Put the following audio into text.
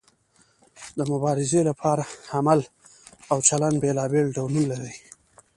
د مبارزې لپاره عمل او چلند بیلابیل ډولونه لري.